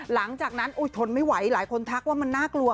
หลังจากนั้นทนไม่ไหวหลายคนทักว่ามันน่ากลัว